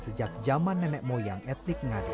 sejak zaman nenek moyang etnik ngada